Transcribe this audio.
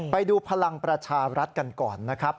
ไปดูพลังประชารัฐกันก่อนนะครับ